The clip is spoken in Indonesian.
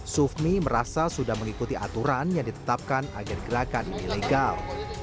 sufmi merasa sudah mengikuti aturan yang ditetapkan agar gerakan ini legal